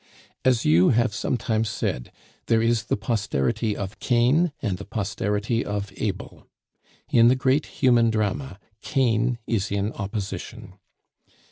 "As you have sometimes said, there is the posterity of Cain and the posterity of Abel. In the great human drama Cain is in opposition.